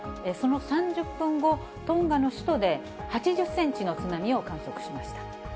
その３０分後、トンガの首都で８０センチの津波を観測しました。